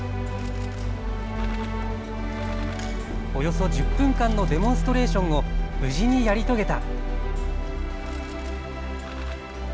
およそ１０分間のデモンストレーションを無事にやり遂げた。